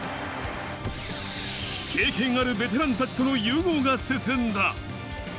経験あるベテランたちとの融合が進んだ。